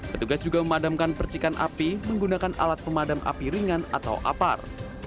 petugas juga memadamkan percikan api menggunakan alat pemadam api ringan atau apar